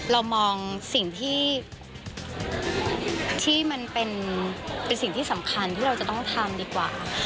เรามองสิ่งที่มันเป็นสิ่งที่สำคัญที่เราจะต้องทำดีกว่า